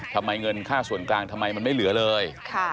ทำไมเงินค่าส่วนกลางทำไมไม่เหลือเลย